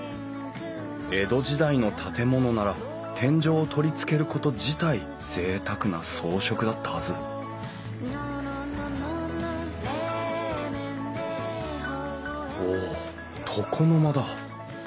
江戸時代の建物なら天井を取り付けること自体ぜいたくな装飾だったはずおっ床の間だ。